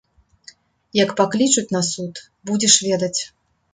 Як паклічуць на суд, будзеш ведаць.